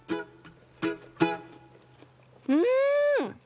うん！